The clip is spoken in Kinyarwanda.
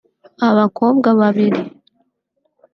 Abakobwa babiri